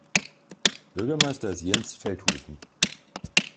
Bürgermeister ist Jens Feldhusen.